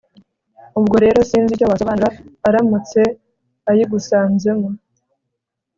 ubwo rero sinzi icyo wasobanura aramutse ayigusanzemo